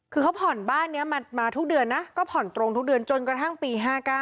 คือเขาผ่อนบ้านนี้มาทุกเดือนนะก็ผ่อนตรงทุกเดือนจนกระทั่งปี๕๙